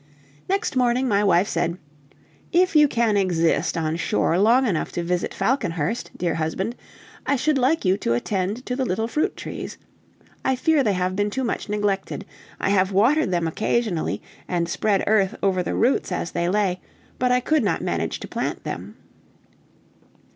Next morning, my wife said: "If you can exist on shore long enough to visit Falconhurst, dear husband, I should like you to attend to the little fruit trees. I fear they have been too much neglected. I have watered them occasionally, and spread earth over the roots as they lay, but I could not manage to plant them."